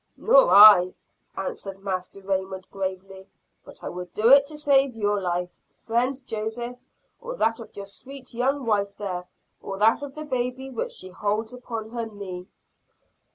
"Nor I," answered Master Raymond gravely. "But I would do it to save your life, friend Joseph, or that of your sweet young wife there or that of the baby which she holds upon her knee."